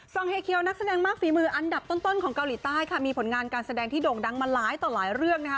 งเฮเคียวนักแสดงมากฝีมืออันดับต้นของเกาหลีใต้ค่ะมีผลงานการแสดงที่โด่งดังมาหลายต่อหลายเรื่องนะคะ